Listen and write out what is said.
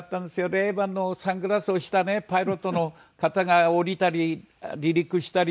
サングラスをしたねパイロットの方が降りたり離陸したり。